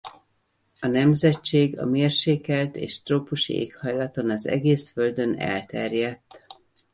A nemzetség a mérsékelt és trópusi éghajlaton az egész Földön elterjedt.